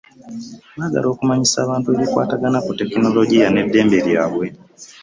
Baagala okumanyisa abantu ebikwatagana ku tekinologiya n'eddembe lyabwe.